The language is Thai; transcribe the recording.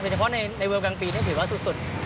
แต่เฉพาะในเวิมกลางปีถือว่าสุด